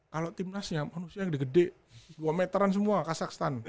kalau tim nasnya manusia gede gede dua meteran semua kazakhstan